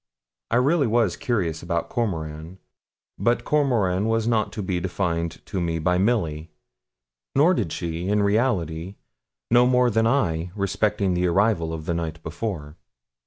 I really was curious about Cormoran; but Cormoran was not to be defined to me by Milly; nor did she, in reality, know more than I respecting the arrival of the night before.